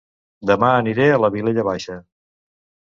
Dema aniré a La Vilella Baixa